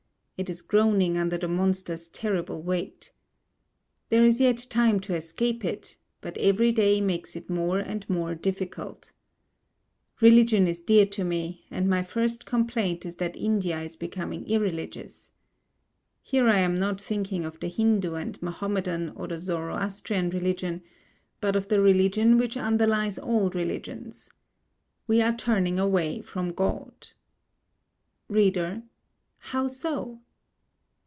It is groaning under the monster's terrible weight. There is yet time to escape it, but every day makes it more and more difficult. Religion is dear to me, and my first complaint is that India is becoming irreligious. Here I am not thinking of the Hindu and Mahomedan or the Zoroastrian religion, but of the religion which underlies all religions. We are turning away from God. READER: How so?